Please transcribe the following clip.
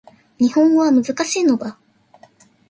日本語は難しいのだ